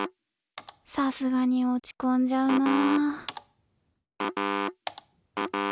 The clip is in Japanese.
さすがにおちこんじゃうなぁ。